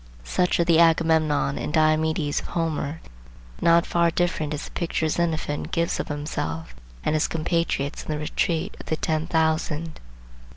Such are the Agamemnon and Diomed of Homer, and not far different is the picture Xenophon gives of himself and his compatriots in the Retreat of the Ten Thousand.